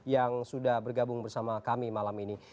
yang sudah bergabung bersama kami malam ini